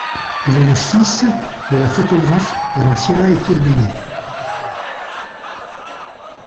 Il est le fils de la photographe Graciela Iturbide.